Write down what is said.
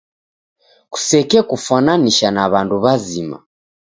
Kusekekufwananisha na w'andu w'azima.